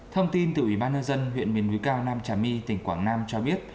thông tin từ ủy ban nhân dân huyện miền núi cao nam trà my tỉnh quảng nam cho biết